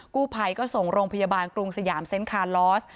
กู้ภัยก็ส่งโรงพยาบาลกรุงสยามเซ็นต์คาลอส